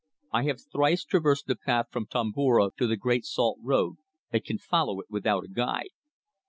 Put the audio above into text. I have thrice traversed the path from Tomboura to the Great Salt Road, and can follow it without a guide."